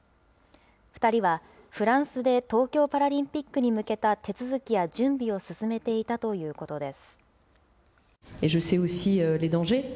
２人はフランスで東京パラリンピックに向けた手続きや準備を進めていたということです。